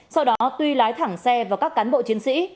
sau đó tuy lái thẳng xe vào các cán bộ chiến sĩ